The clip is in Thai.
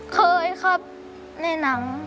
เคยครับในน้ำ